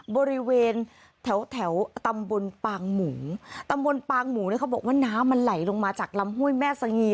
บริเวณแถวแถวตำบลปางหมูตำบลปางหมูเนี่ยเขาบอกว่าน้ำมันไหลลงมาจากลำห้วยแม่สงี